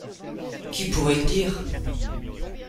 Qui pourrait le dire ?